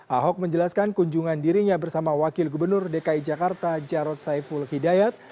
ahok menjelaskan kunjungan dirinya bersama wakil gubernur dki jakarta jarod saiful hidayat